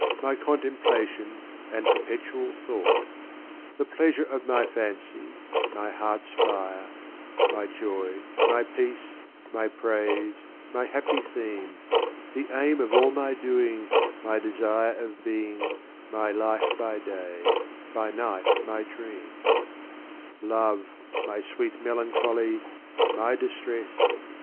My contemplation and perpetual thought : The pleasure of my fancy, my heart's fire, My joy, my peace, my praise, my happy theme, The aim of all my doing, my desire Of being, my life by day, by night my dream : Love, my sweet melancholy, my distress.